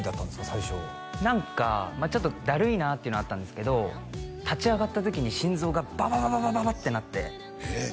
最初何かちょっとダルいなっていうのはあったんですけど立ち上がった時に心臓がバババババババッてなってえっ？